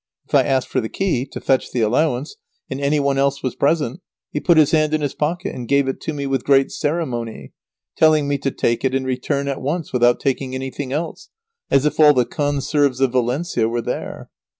If I asked for the key, to fetch the allowance, and any one else was present, he put his hand in his pocket, and gave it to me with great ceremony, telling me to take it and return at once without taking anything else; as if all the conserves of Valencia were there.